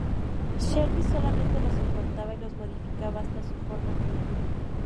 Shelby solamente los importaba y los modificaba hasta su forma final.